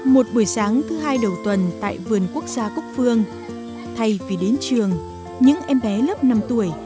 một buổi sáng thứ hai đầu tuần tại vườn quốc gia cúc phương thay vì đến trường những em bé lớp năm tuổi